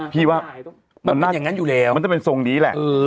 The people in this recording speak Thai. พี่ว่ามันจะเป็นทรงนี้แหละ